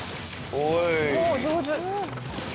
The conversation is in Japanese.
おっ上手！